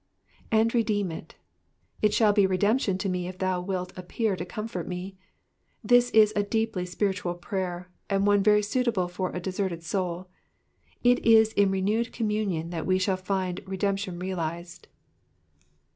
* ''And redeem it,'''* It shall be redemption to me if thou wilt appear to comfort me. This is a deeply spiritual prayer, and one very suitable for a deserted soul. It is in renewed communion that we shall find redemption realized.